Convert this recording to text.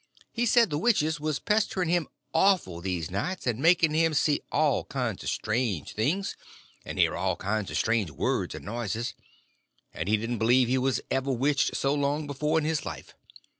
He said the witches was pestering him awful these nights, and making him see all kinds of strange things, and hear all kinds of strange words and noises, and he didn't believe he was ever witched so long before in his life.